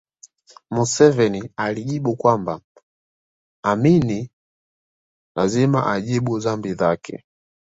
Museveni alijibu kwamba Amin lazima ajibu dhambi zake